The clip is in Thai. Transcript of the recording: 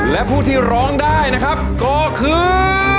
และผู้ที่ร้องได้นะครับก็คือ